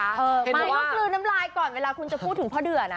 ไม่คือน้ำลายก่อนเวลาคุณจะพูดถึงพ่อเกลืออะนะ